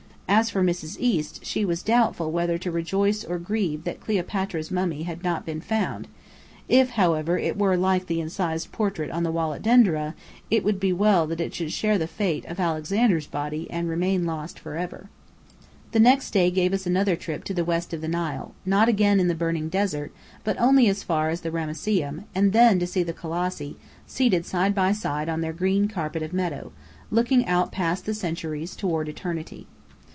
As for Mrs. East, she was doubtful whether to rejoice or grieve that Cleopatra's mummy had not been found. If, however, it were like the incised wall portrait at Denderah, it would be well that it should share the fate of Alexander's body and remain lost forever. The next day gave us another trip to the west of the Nile: not again in the burning desert, but only as far as the Ramesseum, and then to see the Colossi, seated side by side on their green carpet of meadow, looking out past the centuries toward eternity.